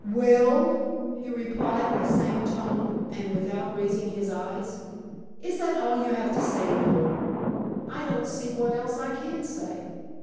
"Well?" he replied in the same tone, and without raising his eyes. "Is that all you have to say, Noel?" "I don't see what else I can say.